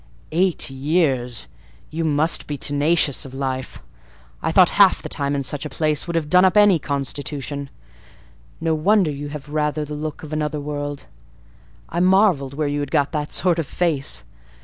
"Eight years! you must be tenacious of life. I thought half the time in such a place would have done up any constitution! No wonder you have rather the look of another world. I marvelled where you had got that sort of face.